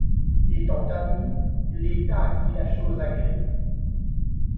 Étant admis l'État à qui la chose agrée